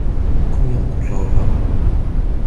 Combien coûte le repas ?